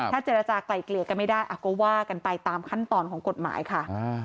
เจรจากลายเกลี่ยกันไม่ได้ก็ว่ากันไปตามขั้นตอนของกฎหมายค่ะ